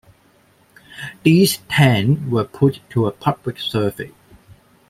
These ten were put to a public survey.